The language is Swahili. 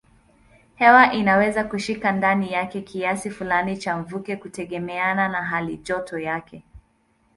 Hewa inaweza kushika ndani yake kiasi fulani cha mvuke kutegemeana na halijoto yake.